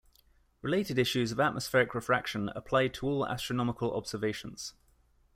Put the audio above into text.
Related issues of atmospheric refraction applied to all astronomical observations.